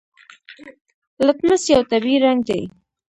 لتمس یو طبیعي رنګ دی.